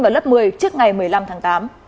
vào lớp một mươi trước ngày một mươi năm tháng tám